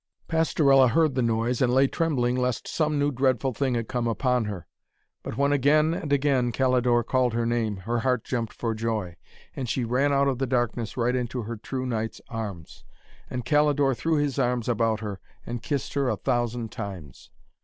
_' Pastorella heard the noise, and lay trembling lest some new dreadful thing had come upon her. But when, again and again, Calidore called her name, her heart jumped for joy, and she ran out of the darkness right into her true knight's arms. And Calidore threw his arms about her, and kissed her a thousand times.